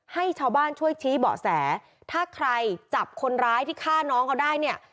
ให้ชาวบ้านช่วยชี้เบาะแสถ้าใครจับคนร้ายที่ฆ่าน้องเขาได้เนี่ย